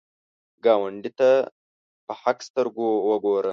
ګاونډي ته په حق سترګو وګوره